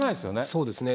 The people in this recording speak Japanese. そうですね。